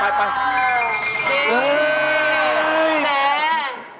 ไปปล่อยเออไป